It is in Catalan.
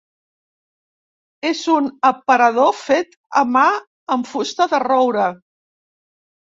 És un aparador fet a mà amb fusta de roure.